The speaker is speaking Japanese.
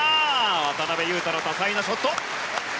渡辺勇大の多彩なショット！